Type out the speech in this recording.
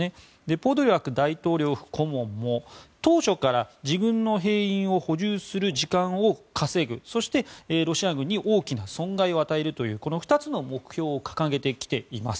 ポドリャク大統領府顧問も当初から自軍の兵員を補充する時間を稼ぐそして、ロシア軍に大きな損害を与えるというこの２つの目標を掲げてきています。